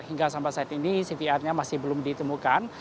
hingga sampai saat ini cvr nya masih belum ditemukan